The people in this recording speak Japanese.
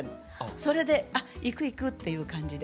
それであっ行く行くっていう感じで。